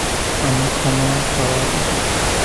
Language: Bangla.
আমার ক্ষমা চাওয়া উচিত।